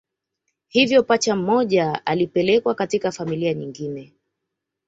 Hivyo pacha mmoja alipelekwa katika familia nyingine